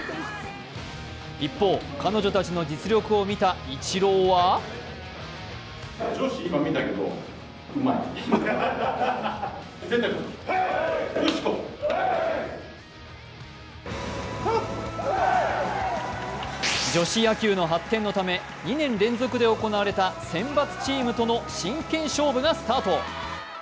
一方、彼女たちの実力を見たイチローは女子野球の発展のため、２年連続で行われた選抜チームとの真剣勝負がスタート。